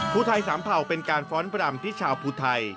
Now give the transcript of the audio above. ภูไทยสามเผ่าเป็นการฟ้อนปรำที่ชาวภูไทย